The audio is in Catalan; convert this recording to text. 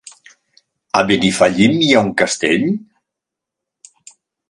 A Benifallim hi ha un castell?